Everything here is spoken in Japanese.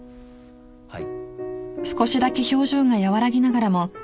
はい。